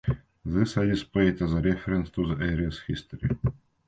These are displayed as a reference to the area's history.